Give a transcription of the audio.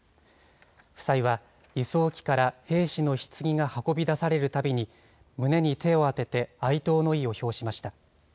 夫妻は輸送機から兵士のひつぎが運び出されるたびに胸に手を当てて、哀悼の意を表しました。